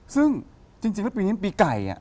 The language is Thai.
ซึ่งจริงแล้วปีนี้มันปีไก่อ่ะ